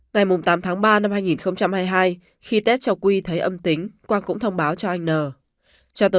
ngày tám ba hai nghìn hai mươi hai khi test cho quy thấy âm tính quang cũng thông báo cho anh nhn